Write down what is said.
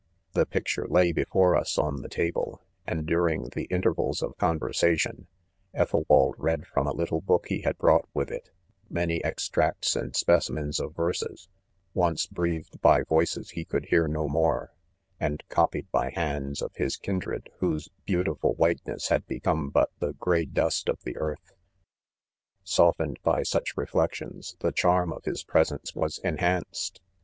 4 The picture lay before us on the table, and during the intervals of conversation, Ethel waM read from a little book he had brought with itj many extracts and specimens of verses one e breathed by voices he could hear no more, ancl copied; by viands of Ais^kin&ed^^wiiiose : ;heauti~ fill whiteness had become but the gray dust of the earth. c Softened by such reflections^ the charm of his presence was .enhanced.